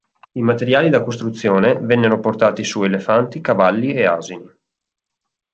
I materiali da costruzione vennero portati su elefanti, cavalli e asini.